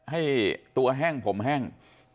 ให้ตัวแห้งผมแห้ง